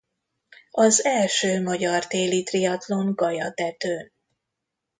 Az első magyar téli triatlon Galyatetőn.